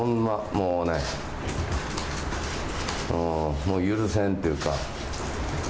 もうね、許せんていうか。